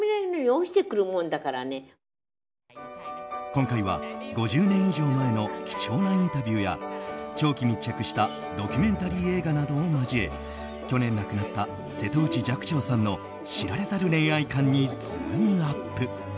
今回は５０年以上前の貴重なインタビューや長期密着したドキュメンタリー映画などを交え去年亡くなった瀬戸内寂聴さんの知られざる恋愛観にズームＵＰ！